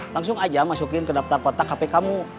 langsung aja masukin ke daftar kotak hp kamu